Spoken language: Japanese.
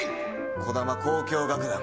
児玉交響楽団